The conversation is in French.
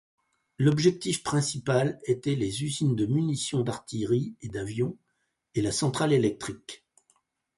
L'objectif principal était les usines de munitions d'artillerie et d'avions, et la centrale électrique.